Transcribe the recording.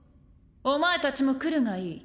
お前たちも来るがいい。